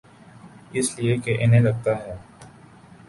اس لئے کہ انہیں لگتا ہے۔